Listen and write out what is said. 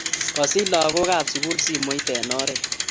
Kasich lakok ab sukul simoit en oret .